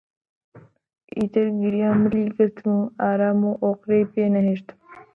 ئیتر گریان ملی گرتم و ئارام و ئۆقرەی پێ نەهێشتم